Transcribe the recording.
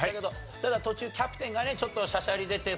ただ途中キャプテンがねちょっとしゃしゃり出て不正解。